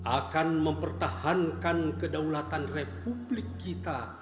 akan mempertahankan kedaulatan republik kita